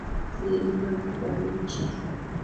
Dereva amefariki.